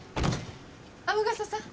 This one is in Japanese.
天笠さん。